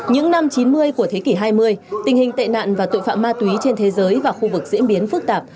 những năm chín mươi của thế kỷ hai mươi tình hình tệ nạn và tội phạm ma túy trên thế giới và khu vực diễn biến phức tạp